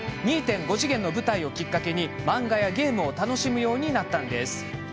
２．５次元の舞台をきっかけに漫画やゲームを楽しむようになったのです。